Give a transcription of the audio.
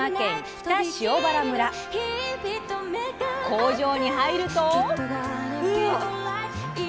工場に入ると。